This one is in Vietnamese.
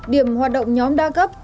điểm hoạt động nhóm đa cấp